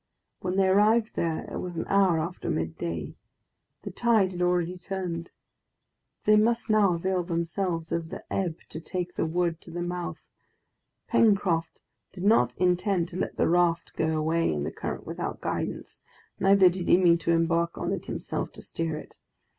When they arrived there, it was an hour after midday. The tide had already turned. They must now avail themselves of the ebb to take the wood to the mouth. Pencroft did not intend to let the raft go away in the current without guidance, neither did he mean to embark on it himself to steer it.